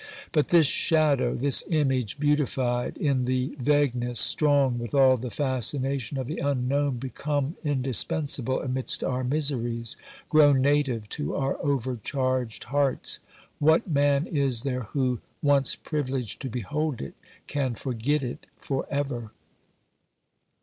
But this shadow, this image beautified in the vagueness, strong with all the fascination of the unknown, become in dispensable amidst our miseries, grown native to our over charged hearts — what man is there who, once privileged to behold it, can forget it for ever